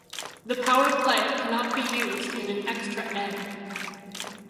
The power play cannot be used in an extra end.